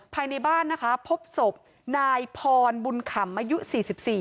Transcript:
ภายในบ้านนะคะพบศพนายพรบุญขำอายุสี่สิบสี่